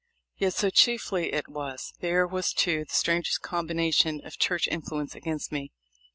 Yet so, chiefly, it was. There was, too, the strangest combination of church influence against me.